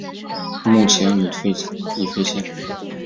目前已废线。